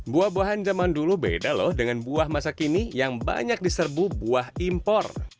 buah buahan zaman dulu beda loh dengan buah masa kini yang banyak diserbu buah impor